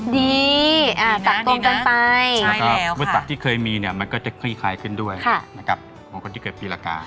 ดีสักตรงกันไปแล้วก็สักที่เคยมีเนี่ยมันก็จะขี้คลายขึ้นด้วยของคนที่เกิดปีละกา